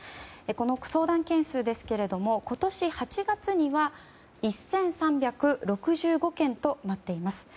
この相談件数ですが今年８月には１３６５件となっています。